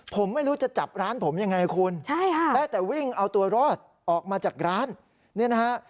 ผมไม่รู้จะจับร้านผมยังไงคุณใช่ค่ะได้แต่วิ่งเอาตัวรอดออกมาจากร้านเนี่ยนะฮะ